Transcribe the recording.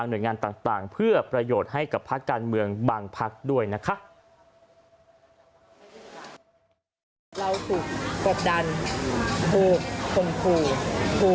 หารือระหว่างต้องไปถึงตรงนั้นนะครับ